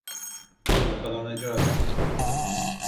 Yakalanacağız.